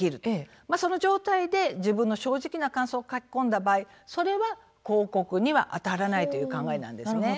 その状態で自分の正直な感想を書き込んだ場合それは広告にはあたらないという考えなんですね。